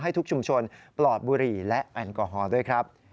ให้ทุกชุมชนปลอดบุหรี่และแอลกอฮอล์ด้วยครับ